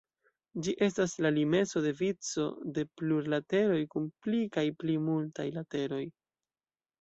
Ĝi estas la limeso de vico de plurlateroj kun pli kaj pli multaj lateroj.